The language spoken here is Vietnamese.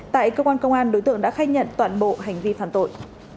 tại cơ quan công an đối tượng đã khai nhận toàn bộ hành vi phạm tội